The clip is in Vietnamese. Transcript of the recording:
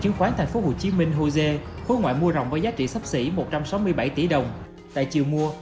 chứng khoán tp hcm hosea khối ngoại mua rồng với giá trị sắp xỉ một trăm sáu mươi bảy tỷ đồng tại chiều mua